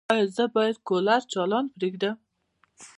ایا زه باید کولر چالانه پریږدم؟